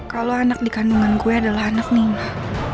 kalau anak di kandungan gue adalah anak nino